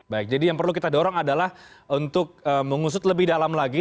baik jadi yang perlu kita dorong adalah untuk mengusut lebih dalam lagi